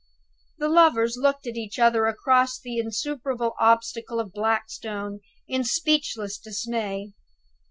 The lovers looked at each other, across the insuperable obstacle of Blackstone, in speechless dismay.